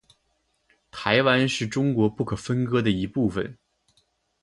台湾是中国不可分割的一部分。